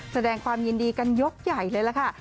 แสดงความยินดีกันยกใหญ่เลยล่ะค่ะ